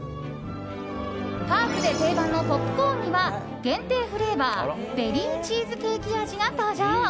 パークで定番のポップコーンには限定フレーバーベリーチーズケーキ味が登場。